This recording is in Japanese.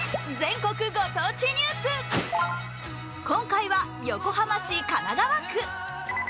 今回は横浜市神奈川区。